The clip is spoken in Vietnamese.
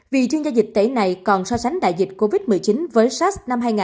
vì chuyên gia dịch tẩy này còn so sánh đại dịch covid một mươi chín với sars hai nghìn ba